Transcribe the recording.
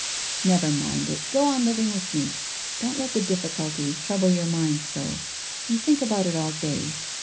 'Never mind it. Go on living with me. Don't let the difficulty trouble your mind so; you think about it all day.